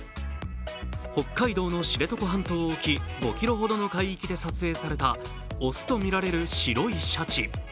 北海道の知床半島沖、５ｋｍほどの海域で撮影された雄とみられる白いシャチ。